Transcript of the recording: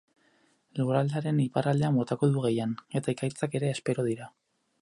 Lurraldearen iparraldean botako du gehien, eta ekaitzak ere espero dira.